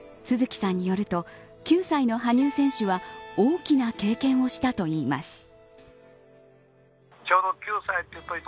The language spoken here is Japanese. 都築さんによると９歳の羽生選手は大きな経験をしたといいます。